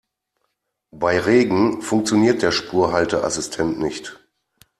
Bei Regen funktioniert der Spurhalteassistent nicht.